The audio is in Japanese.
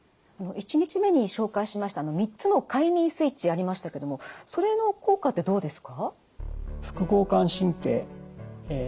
１日目に紹介しました３つの快眠スイッチありましたけどもそれの効果ってどうですか？